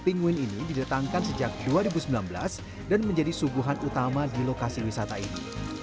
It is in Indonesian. penguin ini didatangkan sejak dua ribu sembilan belas dan menjadi suguhan utama di lokasi wisata ini